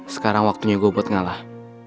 sekarang waktunya gue buat ngalah